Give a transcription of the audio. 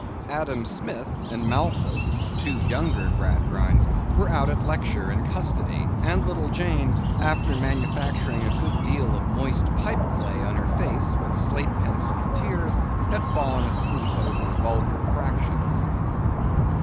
Adam Smith and Malthus, two younger Gradgrinds, were out at lecture in custody; and little Jane, after manufacturing a good deal of moist pipe clay on her face with slate pencil and tears, had fallen asleep over vulgar fractions.